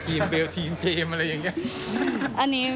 ทีมเบลทีมเจมส์อะไรอย่างนี้